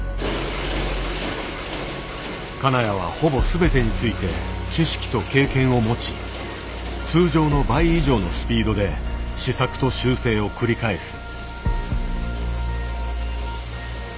金谷はほぼ全てについて知識と経験を持ち通常の倍以上のスピードで試作と修正を繰り返す。